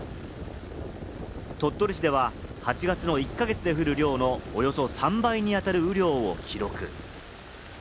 鳥取市では８月の１か月で降る量のおよそ３倍にあたる雨量を記録。